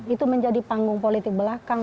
itu menjadi panggung politik belakang